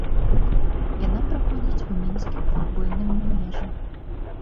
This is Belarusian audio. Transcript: Яна праходзіць у мінскім футбольным манежы.